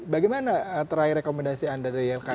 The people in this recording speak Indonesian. bagaimana terakhir rekomendasi anda dari ylki